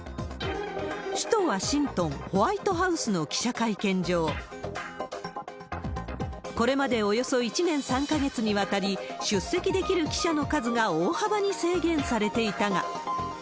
首都ワシントン・ホワイトハウスの記者会見場、これまでおよそ１年３か月にわたり、出席できる記者の数が大幅に制限されていたが。